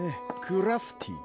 クラフティ